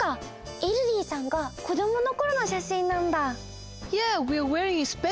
イルディさんが子どものころのしゃしんなんだ。